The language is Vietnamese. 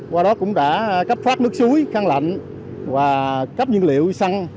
qua đó cũng đã cấp phát nước suối khăn lạnh và cấp nhiên liệu xăng